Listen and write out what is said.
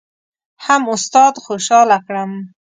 هم استاد خوشحاله کړم.